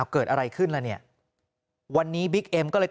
เกิดอะไรขึ้นล่ะเนี่ยวันนี้บิ๊กเอ็มก็เลย